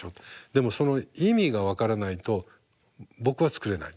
でもその意味が分からないと僕は作れないんです。